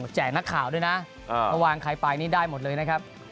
แจกนักข่าวด้วยนะระวังไขปลายนี้ได้หมดเลยนะครับ